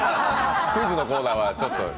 クイズのコーナーはちょっと。